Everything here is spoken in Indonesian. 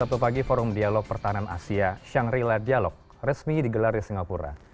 sabtu pagi forum dialog pertahanan asia shangrila dialog resmi digelar di singapura